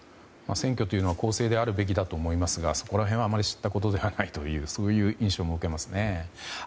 選挙というのは公正であるべきだと思いますがそこら辺はあまり知ったことではないという印象も受けますね。